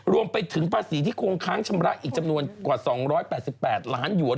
รวมไปถึงภาษีที่คงค้างชำระอีกจำนวนกว่า๒๘๘ล้านหยวน